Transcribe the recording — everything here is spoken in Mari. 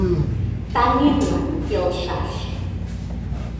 Таҥемлан келшаш.